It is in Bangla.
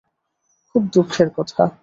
খুব দুঃখের কথা।